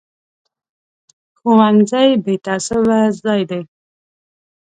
ښوونځی بې تعصبه ځای دی